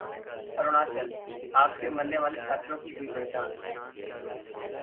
अरुणाचल: आग से मरने वाले छात्रों की हुई पहचान